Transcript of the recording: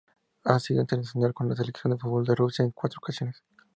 Ha sido internacional con la selección de fútbol de Rusia en cuatro ocasiones.